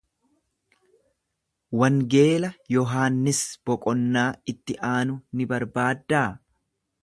Wangeela Yohannis boqonnaa itti aanu ni barbaaddaa?